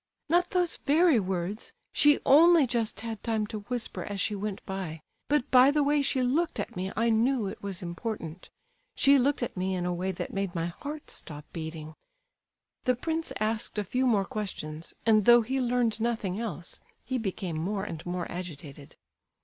"Not those very words. She only just had time to whisper as she went by; but by the way she looked at me I knew it was important. She looked at me in a way that made my heart stop beating." The prince asked a few more questions, and though he learned nothing else, he became more and more agitated.